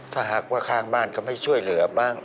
ถ้าหากว่าข้างบ้านเขาไม่ช่วยเหลือบ้าง